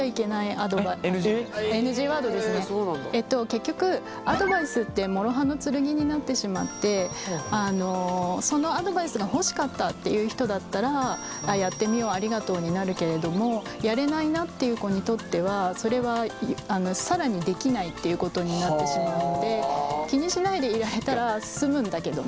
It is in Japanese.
結局アドバイスって諸刃の剣になってしまってそのアドバイスが欲しかったっていう人だったらああやってみようありがとうになるけれどもやれないなっていう子にとってはそれは更にできないっていうことになってしまうので気にしないでいられたら済むんだけどねっていう。